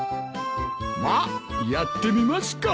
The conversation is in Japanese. まあやってみますか！